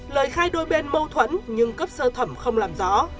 lời khai đôi bên mâu thuẫn nhưng cấp sơ thẩm không làm rõ